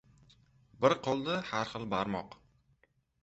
• Bir qo‘lda har xil barmoq.